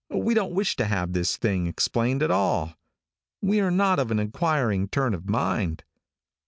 We don't wish to have this thing explained at all. We are not of an inquiring turn of mind.